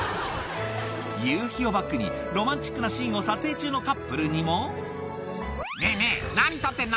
夕日をバックにロマンチックなシーンを撮影中のカップルにも「ねぇねぇ何撮ってんの？